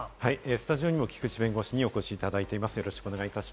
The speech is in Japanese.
スタジオにも菊地弁護士にお越しいただいています。